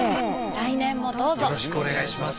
来年もどうぞよろしくお願いします。